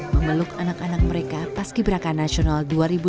memeluk anak anak mereka pas kiberakan nasional dua ribu delapan belas